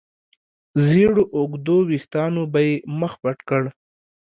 زېړو اوږدو وېښتانو به يې مخ پټ کړ.